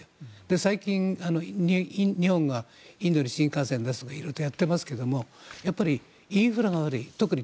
最近、日本がインドに新幹線を出すとかいろいろとやってますけどやっぱりインフラが悪い。